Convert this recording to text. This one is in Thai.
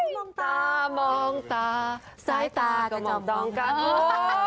มองตามองตาซ้ายตาก็มองกัน